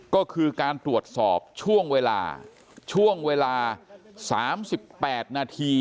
ก็คือการตรวจสอบช่วงเวลา๓๘นาที